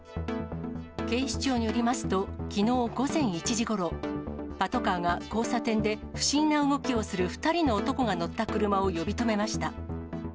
警視庁によりますと、きのう午前１時ごろ、パトカーが交差点で、不審な動きをする２人の男が乗った車を呼び止めました。